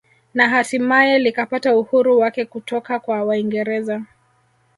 Na hatimaye likapata uhuru wake kutoka kwa waingereza